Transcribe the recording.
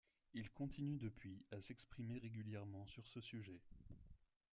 Il continue depuis à s'exprimer régulièrement sur ce sujet.